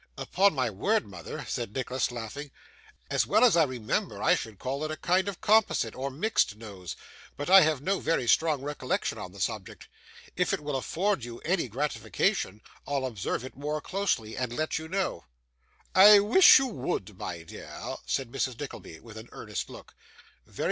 'Upon my word, mother,' said Nicholas, laughing, 'as well as I remember, I should call it a kind of Composite, or mixed nose. But I have no very strong recollection on the subject. If it will afford you any gratification, I'll observe it more closely, and let you know.' 'I wish you would, my dear,' said Mrs. Nickleby, with an earnest look.